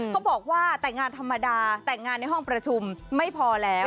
เขาบอกว่าแต่งงานธรรมดาแต่งงานในห้องประชุมไม่พอแล้ว